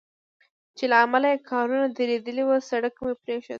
چې له امله یې کاروان درېدلی و، سړک مې پرېښود.